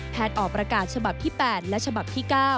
ออกประกาศฉบับที่๘และฉบับที่๙